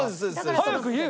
早く言えよ！